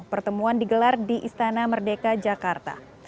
pertemuan digelar di istana merdeka jakarta